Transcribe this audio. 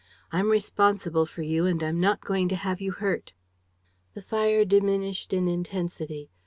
I'm responsible for you and I'm not going to have you hurt." The fire diminished in intensity.